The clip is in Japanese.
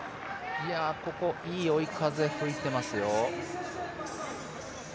ここ、いい追い風吹いてますよ。